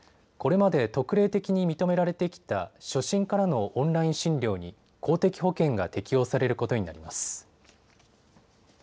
これまで特例的に認められてきた初診からのオンライン診療に公的保険が適用されることになります。